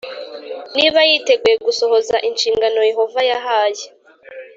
niba yiteguye gusohoza inshingano Yehova yahaye